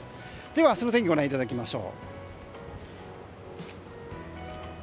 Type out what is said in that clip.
では明日の天気をご覧いただきます。